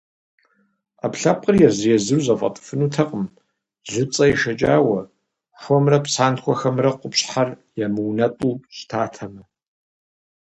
Ӏэпкълъэпкъыр езыр-езыру зэфӏэтыфынутэкъым лыпцӏэ ешэкӏауэ, хуэмрэ псантхуэхэмрэ къупщхьэр ямыунэтӏу щытатэмэ.